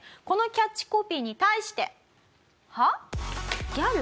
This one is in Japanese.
このキャッチコピーに対して。